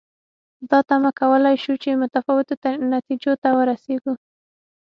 دا تمه کولای شو چې متفاوتو نتیجو ته ورسېږو.